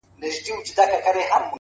دا څه ليونى دی بيـا يـې وويـل.!